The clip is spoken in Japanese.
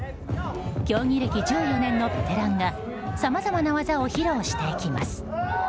競技歴１４年のベテランがさまざまな技を披露していきます。